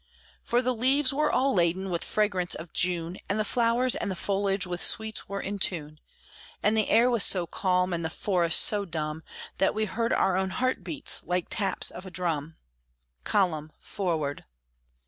For the leaves were all laden with fragrance of June, And the flowers and the foliage with sweets were in tune; And the air was so calm, and the forest so dumb, That we heard our own heart beats, like taps of a drum "Column! Forward!"